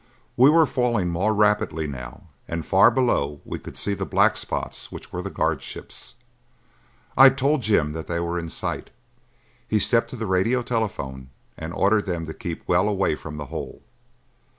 We were falling more rapidly now and far below we could see the black spots which were the guard ships. I told Jim that they were in sight; he stepped to the radio telephone and ordered them to keep well away from the hole.